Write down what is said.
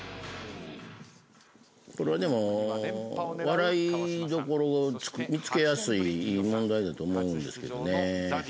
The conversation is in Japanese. これはでも笑いどころを見つけやすいいい問題だと思うんですけどね。